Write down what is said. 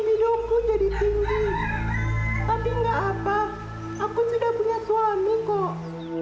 kadar hormonku jadi berlebihan libidoku jadi tinggi tapi gak apa aku sudah punya suami kok